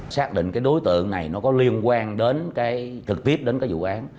xác định cái đối tượng này nó có liên quan đến cái trực tiếp đến cái vụ án